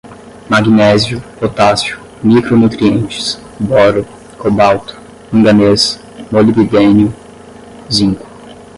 magnésio, potássio, micronutrientes, boro, cobalto, manganês, molibdênio, zinco